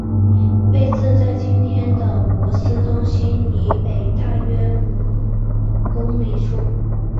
位置在今天的珀斯中心以北大约五公里处。